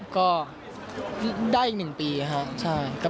ก็ได้อีก๑ปีค่ะ